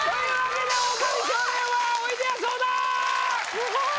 ・すごい！